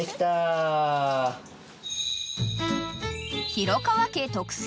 ［廣川家特製］